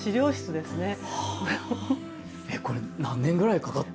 えっこれ何年ぐらいかかって。